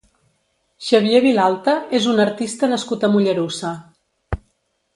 Xavier Vilalta és un artista nascut a Mollerussa.